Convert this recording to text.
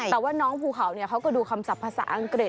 แต่ว่าน้องภูเขาเขาก็ดูคำศัพท์ภาษาอังกฤษ